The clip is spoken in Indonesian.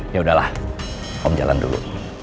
yaudah lah om jalan dulu